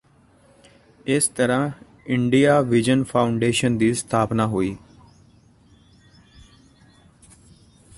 ਇਸ ਤਰ੍ਹਾਂ India Vision Foundation ਦੀ ਸਥਾਪਨਾ ਹੋਈ